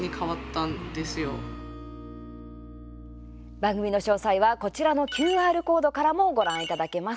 番組の詳細はこちらのＱＲコードからもご覧いただけます。